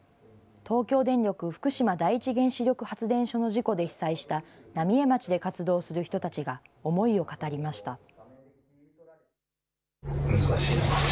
東京電力福島第一原子力発電所の事故で被災した、浪江町で活動する人たちが思いを語りました。